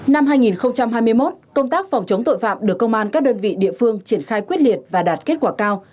năm hai nghìn hai mươi một công tác phòng chống tội phạm được công an các đơn vị địa phương triển khai quyết liệt và đạt kết quả cao